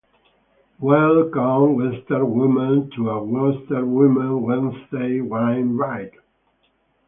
Welcome Western Women to a Western Women Wednesday wine night.